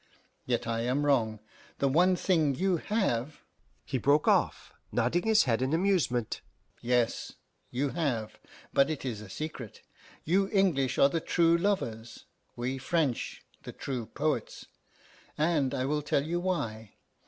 Yet I am wrong. The one thing you have " He broke off, nodding his head in amusement. "Yes, you have, but it is a secret. You English are the true lovers, we French the true poets; and I will tell you why.